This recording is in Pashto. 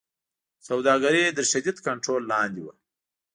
سوداګري تر شدید کنټرول لاندې وه.